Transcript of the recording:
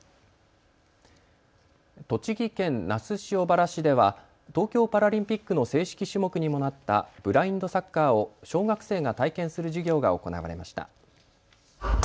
栃木県那須塩原市では東京パラリンピックの正式種目にもなったブラインドサッカーを小学生が体験する授業が行われました。